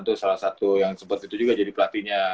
itu salah satu yang sempet itu juga jadi pelatihnya